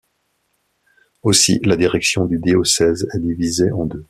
Aussi, la direction du diocèse est divisée en deux.